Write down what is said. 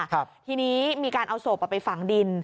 ทีนี้มีการเอาศพเอาไปฝังดิน